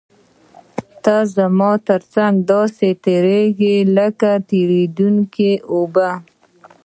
ته زما تر څنګ داسې تېرېږې لکه تېرېدونکې اوبه.